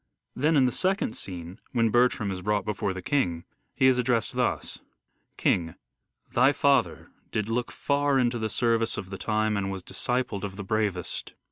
Then in the second scene when Bertram is brought before the king, he is addressed thus : King : Thy father .... did look far Into the service of the time and was Discipled of the bravest.